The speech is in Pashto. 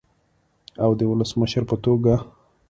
او د ولسمشر په توګه